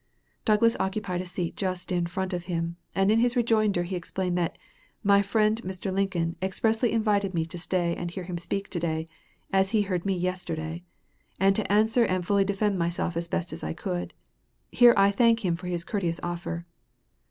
Douglas occupied a seat just in front of him, and in his rejoinder he explained that "my friend Mr. Lincoln expressly invited me to stay and hear him speak to day, as he heard me yesterday, and to answer and defend myself as best I could. I here thank him for his courteous offer."